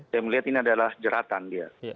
saya melihat ini adalah jeratan dia